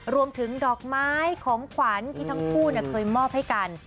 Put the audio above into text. รวมถึงดอกไม้ของขวัญที่ทั้งคู่เคยมอบให้กัน